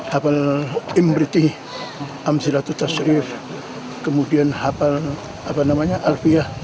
hafal imriti amziratut asrif kemudian hafal apa namanya al fiah